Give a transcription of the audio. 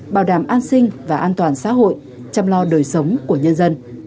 bảo đảm an sinh và an toàn xã hội chăm lo đời sống của nhân dân